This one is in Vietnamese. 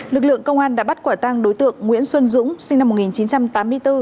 lực lượng công an đã bắt quả tang đối tượng nguyễn xuân dũng sinh năm một nghìn chín trăm tám mươi bốn